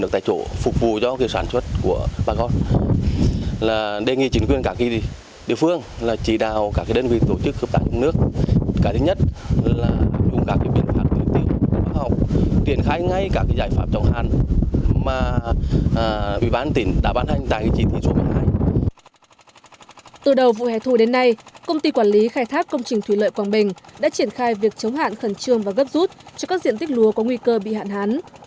từ đầu vụ hẻ thu đến nay công ty quản lý khai thác công trình thủy lợi quảng bình đã triển khai việc chống hạn khẩn trương và gấp rút cho các diện tích lúa có nguy cơ bị hạn hán